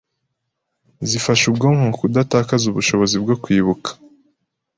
zifasha ubwonko kudatakaza ubushobozi bwo kwibuka